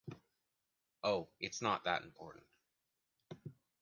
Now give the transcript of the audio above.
Oh, it’s not that important.